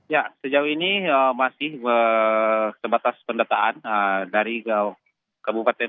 ya sejauh ini masih sebatas pendataan dari kabupaten